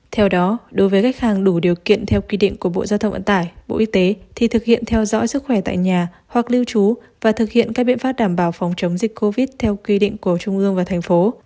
theo đó đối với khách hàng đủ điều kiện theo quy định của bộ giao thông vận tải bộ y tế thì thực hiện theo dõi sức khỏe tại nhà hoặc lưu trú và thực hiện các biện pháp đảm bảo phòng chống dịch covid theo quy định của trung ương và thành phố